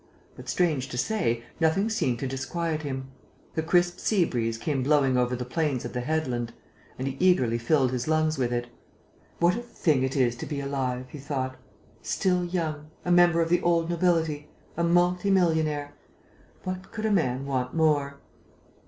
But, strange to say, nothing seemed to disquiet him. The crisp sea breeze came blowing over the plains of the headland; and he eagerly filled his lungs with it: "What a thing it is to be alive!" he thought. "Still young, a member of the old nobility, a multi millionaire: what could a man want more?"